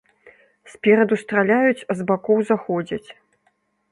Спераду страляюць, а з бакоў заходзяць.